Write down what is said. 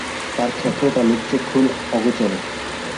তার ক্ষেত্রটা লোকচক্ষুর অগোচরে।